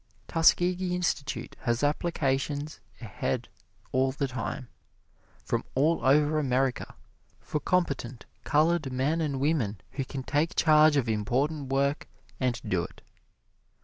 Tuskegee Institute has applications ahead all the time, from all over America, for competent colored men and women who can take charge of important work and do it.